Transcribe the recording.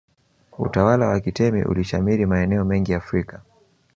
utawala wa kitemi ulishamiri maeneo mengi afrika